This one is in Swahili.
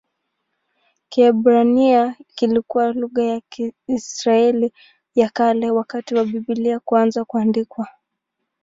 Kiebrania kilikuwa lugha ya Israeli ya Kale wakati wa Biblia kuanza kuandikwa.